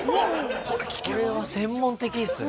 これは専門的っすね。